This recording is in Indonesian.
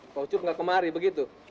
pak ucup gak kemari begitu